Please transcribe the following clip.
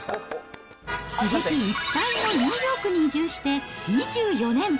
刺激いっぱいのニューヨークに移住して２４年。